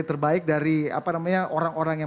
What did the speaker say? terbaik dari apa namanya orang orang yang